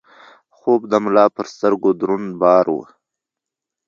خوب د ملا پر سترګو دروند بار و.